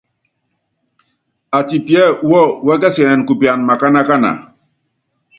Atipiá wúú wɛsikɛnɛn kupian makánákana.